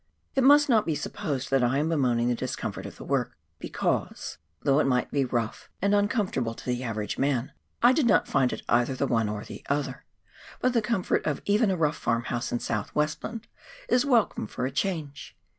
It must not be supposed that I am bemoaning the discomfort of the work, because, though it might be rough and uncomfort KARANGARUA DISTRICT. 253 able to the average man, I did not find it either tlie one or the other; but the comfort of even a rough farmhouse in South Westland is welcome for a change.